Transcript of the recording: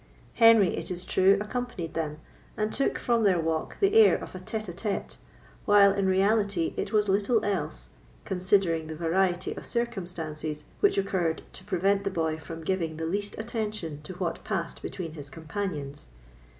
Henry, it is true, accompanied them, and took from their walk the air of a tête à tête, while, in reality, it was little else, considering the variety of circumstances which occurred to prevent the boy from giving the least attention to what passed between his companions.